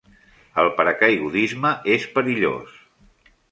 El paracaigudisme és perillós.